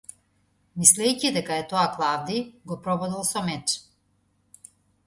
Мислејќи дека е тоа Клавдиј, го прободел со меч.